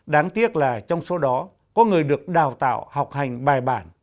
đáng tiếc là trong số đó có người được đào tạo học hành bài bản